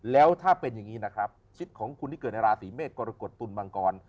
แล้วถ้าเป็นอย่างนี้นะครับชีวิตของคุณที่เกิดในราศีเมษกรกฎตุลมังกร